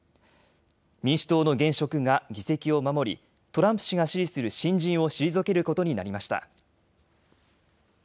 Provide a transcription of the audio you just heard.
民主党の現職が議席を守りトランプ氏が支持する新人を退けることになりました。